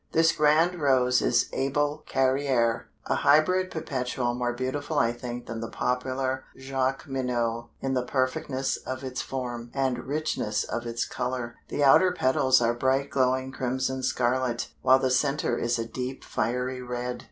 This grand rose is Abel Carriere, a hybrid perpetual more beautiful I think than the popular Jacqueminot in the perfectness of its form, and richness of its color. The outer petals are bright glowing crimson scarlet, while the center is a deep fiery red.